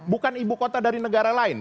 bukan ibu kota dari negara lain